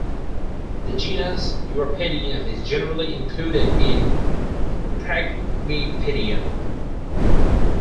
The genus Uropedium is generally included in "Phragmipedium".